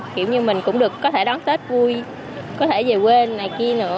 kiểu như mình cũng được có thể đón tết vui có thể về quê này kia nữa